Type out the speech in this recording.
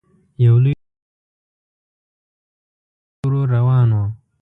یو لوی ټرک چې څراغونه یې ځلېدل ورو ورو روان و.